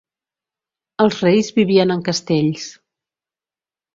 Els reis vivien en castells.